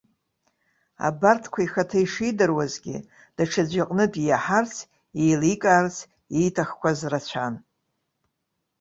Абарҭқәа ихаҭа ишидыруазгьы, даҽаӡәы иҟнытә иаҳарц, еиликаарц ииҭахқәаз рацәан.